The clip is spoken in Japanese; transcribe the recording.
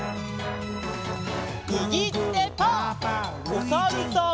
おさるさん。